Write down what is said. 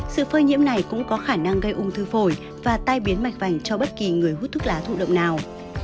sự phơi nhiễm này cũng có khả năng gây ung thư phổi và tai biến mạch vành cho bất kỳ người hút thuốc lá thụ động nào